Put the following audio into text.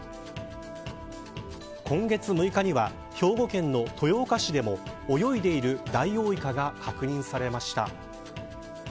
今月６日には兵庫県の豊岡市でも泳いでいるダイオウイカが確認されました。